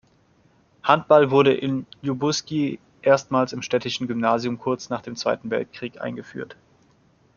Handball wurde in Ljubuški erstmals im städtischen Gymnasium kurz nach dem Zweiten Weltkrieg eingeführt.